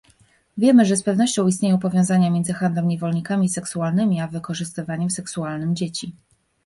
Wiemy, że z pewnością istnieją powiązania między handlem niewolnikami seksualnymi a wykorzystywaniem seksualnym dzieci